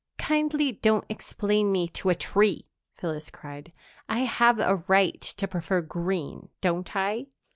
"Kindly don't explain me to a tree!" Phyllis cried. "I have a right to prefer green, don't I?"